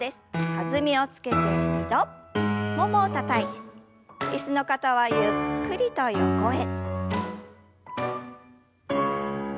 弾みをつけて２度ももをたたいて椅子の方はゆっくりと横へ。